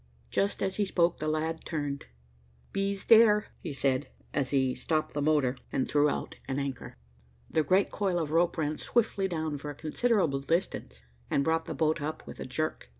Just as he spoke, the lad turned. "Bee's there," he said, as he stopped the motor and threw out an anchor. The great coil of rope ran swiftly down for a considerable distance, and brought the boat up with a jerk.